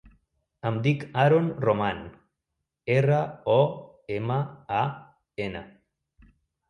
Em dic Aron Roman: erra, o, ema, a, ena.